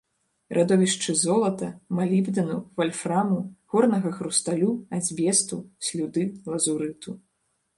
Радовішчы золата, малібдэну, вальфраму, горнага хрусталю, азбесту, слюды, лазурыту.